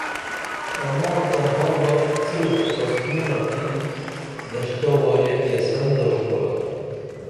اما تہ ہر وخ صرف قسمونہ کی دشتہ وارین یسن درو قرآن